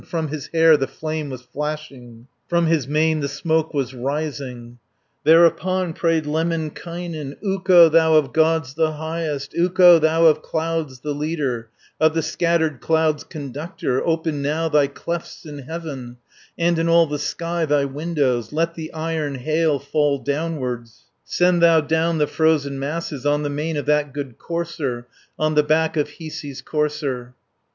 300 From his hair the flame was flashing, From his mane the smoke was rising. Thereupon prayed Lemminkainen: "Ukko, thou of Gods the highest, Ukko, thou of clouds the leader, Of the scattered clouds conductor, Open now thy clefts in heaven, And in all the sky thy windows, Let the iron hail fall downwards, Send thou down the frozen masses, 310 On the mane of that good courser, On the back of Hiisi's courser."